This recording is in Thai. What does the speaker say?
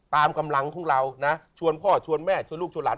ตามกำลังของเรานะชวนพ่อชวนแม่ชวนลูกชวนหลาน